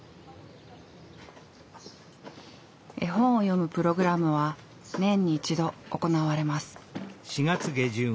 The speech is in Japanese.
絵本を読むプログラムは年に１度行われます。